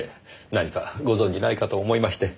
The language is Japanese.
何かご存じないかと思いまして。